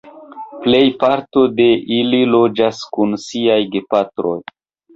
Plejparto de ili loĝas kun siaj gepatroj.